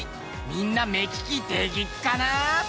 みんな目利きできっかな？